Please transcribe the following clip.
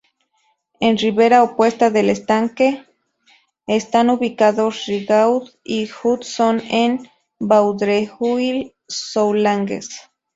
En ribera opuesta del estanque están ubicados Rigaud y Hudson en Vaudreuil-Soulanges.